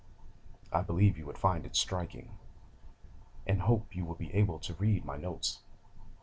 I believe you would find it striking, and hope you will be able to read my notes.